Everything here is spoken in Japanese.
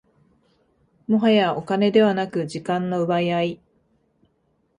もはやお金ではなく時間の奪い合い